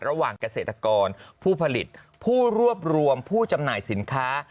ระหว่างเกษตรกรผู้ผลิตผู้รวบรวมผู้จำหน่ายสินค้า